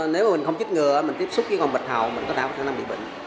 nếu mình không chích ngừa mình tiếp xúc với con bạch hầu mình có thể bị bệnh